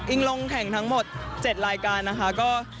ลงแข่งทั้งหมด๗รายการนะคะ